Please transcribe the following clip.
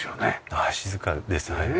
はい静かですね。